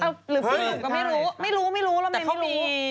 ก็ไม่รู้ไม่รู้ไม่รู้เราไม่รู้